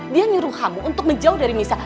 dia nyuruh kamu untuk menjauh dari misa